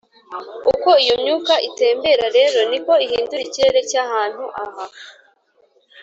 uko iyo myuka itembera rero ni ko ihindura ikirere cy'ahantu aha